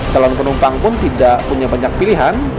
calon penumpang pun tidak punya banyak pilihan